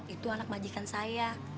itu anak majikan saya